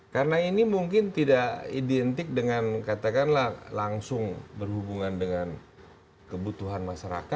karena ini mungkin tidak identik dengan katakanlah langsung berhubungan dengan kebutuhan masyarakat